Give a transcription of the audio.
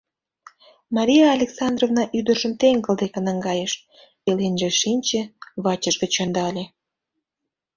— Мария Александровна ӱдыржым теҥгыл деке наҥгайыш, пеленже шинче, вачыж гыч ӧндале.